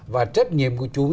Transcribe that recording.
và trách nhiệm của chúng ta